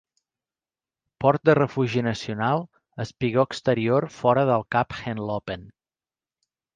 Port de Refugi Nacional, espigó exterior fora del Cap Henlopen.